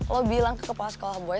lo bilang ke kepala sekolah gue